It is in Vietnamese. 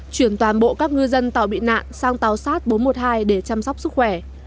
chuyển toàn bộ các ngư dân tàu bị nạn sang tàu sát bốn trăm một mươi hai để chăm sóc sức khỏe